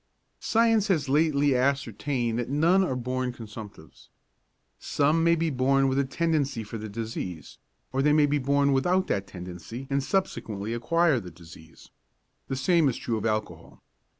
Science has lately ascertained that none are born consumptives. Some may be born with a tendency for the disease, or they may be born without that tendency and subsequently acquire the disease. The same is true of alcohol.